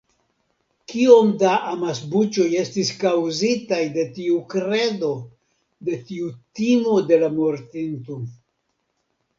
Kiom da amasbuĉoj estis kaŭzitaj de tiu kredo, de tiu timo de la mortinto.